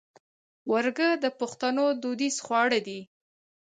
ورږۀ د پښتنو دوديز خواړۀ دي